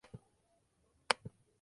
Es originario de Birmania.